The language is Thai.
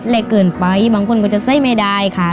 เล็กเกินไปบางคนก็จะใส่ไม่ได้ค่ะ